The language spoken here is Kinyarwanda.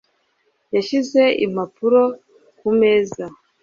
Yashyize impapuro ku meza.